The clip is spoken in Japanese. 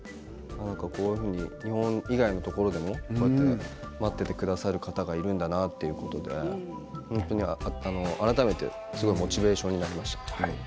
こんなふうに日本以外のところでも待っていてくださる方がいるんだなということで改めて、すごくモチベーションになりました。